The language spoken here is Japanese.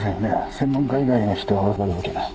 専門家以外の人が分かるわけない。